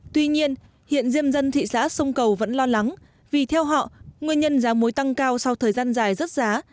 tuy nhiên hiện diêm dân thị xã sông cầu vẫn lo lắng vì theo họ nguyên nhân giá muối tăng cao sau thời gian dài rớt giá